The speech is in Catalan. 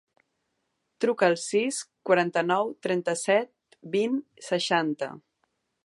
Truca al sis, quaranta-nou, trenta-set, vint, seixanta.